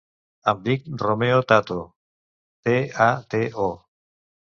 Em dic Romeo Tato: te, a, te, o.